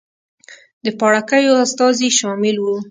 د پاړکیو استازي شامل وو.